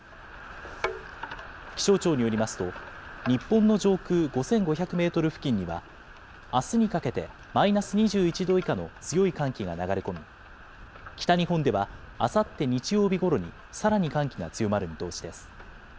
気象庁によりますと、日本の上空５５００メートル付近には、あすにかけてマイナス２１度以下の強い寒気が流れ込み、北日本ではあさって日曜日ごろに、さらに寒気が強まる見通しです。